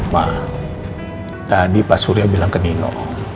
pak tadi pak surya bilang ke nino